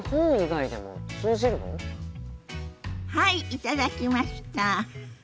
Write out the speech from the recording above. はい頂きました！